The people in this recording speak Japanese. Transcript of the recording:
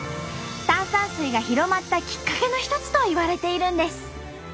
炭酸水が広まったきっかけの一つといわれているんです。